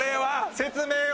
説明を！